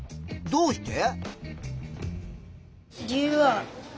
どうして？